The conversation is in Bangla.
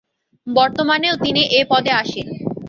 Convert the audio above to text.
বর্তমানেও তিনি এ পদে আসীন।